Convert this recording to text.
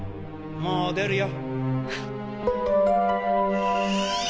もう出るよ。